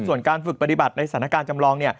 ส่วนการฝึกปฏิบัติในสถานการณ์จำลอง